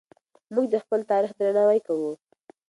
موږ د خپل تاریخ درناوی کوو.